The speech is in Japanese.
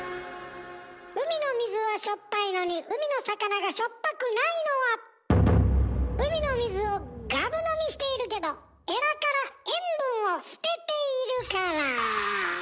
海の水はしょっぱいのに海の魚がしょっぱくないのは海の水をガブ飲みしているけどエラから塩分を捨てているから。